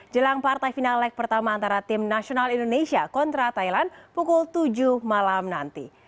jelang partai final leg pertama antara tim nasional indonesia kontra thailand pukul tujuh malam nanti